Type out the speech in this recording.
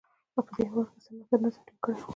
په هېواد کې یې څه ناڅه نظم ټینګ کړی و